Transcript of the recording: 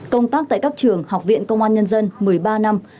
công tác tại các trường học viện công an nhân dân một mươi ba năm